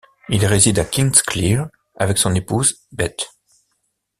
Il réside à Kingsclear avec son épouse Beth.